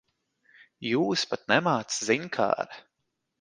Jūs pat nemāc ziņkāre.